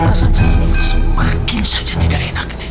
perasaan saya ini semakin saja tidak enak nih